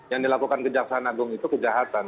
yang dilakukan kejaksaan agung itu kejahatan